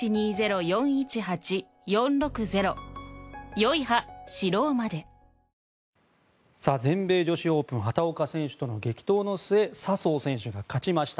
タイで全米女子オープン畑岡選手との激闘の末笹生選手が勝ちました。